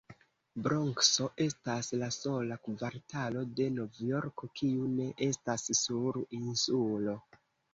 Bronkso estas la sola kvartalo de Novjorko, kiu ne estas sur insulo.